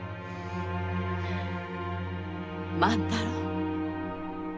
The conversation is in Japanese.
万太郎。